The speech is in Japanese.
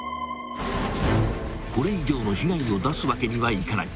［これ以上の被害を出すわけにはいかない］